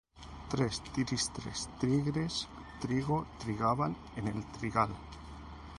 Tres tristes tigres trigo trigaban en el trigal